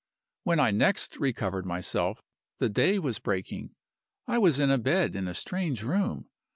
"When I next recovered myself, the day was breaking. I was in a bed in a strange room.